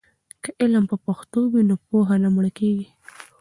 که علم په پښتو وي نو پوهه نه مړکېږي.